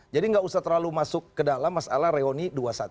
jadi gak usah terlalu masuk ke dalam masalah reuni dua ratus dua belas